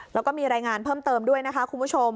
แล้วก็มีรายงานเพิ่มเติมด้วยนะคะคุณผู้ชม